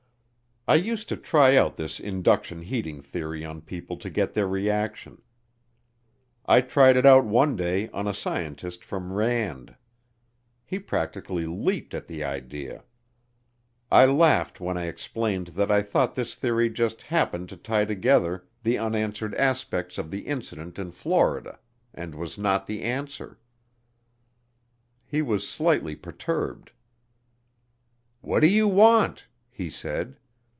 I used to try out this induction heating theory on people to get their reaction. I tried it out one day on a scientist from Rand. He practically leaped at the idea. I laughed when I explained that I thought this theory just happened to tie together the unanswered aspects of the incident in Florida and was not the answer; he was slightly perturbed. "What do you want?" he said.